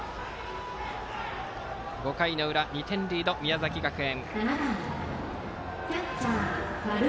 ５回の裏、２点リードの宮崎学園。